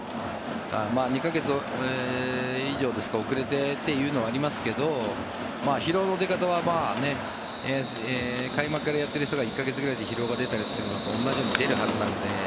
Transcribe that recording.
２か月以上遅れてというのはありますけど疲労の出方は開幕からやっている人が１か月くらいで疲労が出るのと同じように出るはずなので。